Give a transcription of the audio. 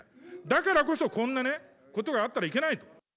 だからこそこんなね、ことがあったらいけないと。